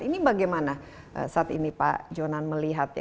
ini bagaimana saat ini pak jonan melihat ya